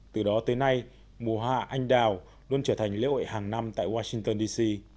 từ đó tới nay mùa hoa anh đào luôn trở thành lễ hội hàng năm tại washington dc